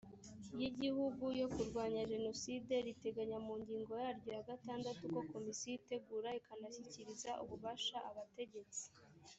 y igihugu yo kurwanya jenoside riteganya mu ngingo yaryo ya gatandatu ko komisiyo itegura ikanashyikiriza ububasha abategetsi